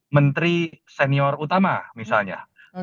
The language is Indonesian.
menteri senior utama misalnya